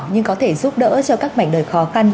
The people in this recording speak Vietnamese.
nhưng có thể giúp đỡ cho các mảnh đời khó khăn